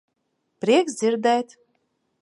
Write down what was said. Prieks dzirdēt.